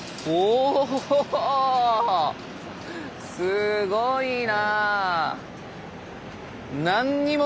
すごいな！